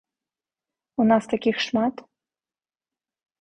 У нас такіх шмат?